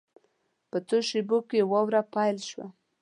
په څو شېبو کې واوره پیل شوه.